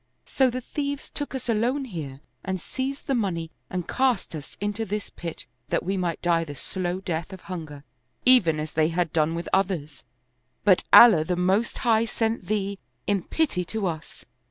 So the thieves took us alone here and seized the money and cast us into this pit that we might die the slow death of hunger, even as they had done with others ; but Allah the Most High sent thee, in pity to us."